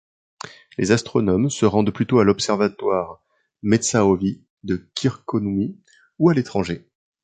Les astronomes se rendent plutôt à l'observatoire Metsähovi de Kirkkonummi ou à l'étranger.